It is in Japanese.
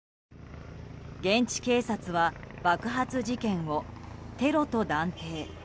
現地警察は爆発事件をテロと断定。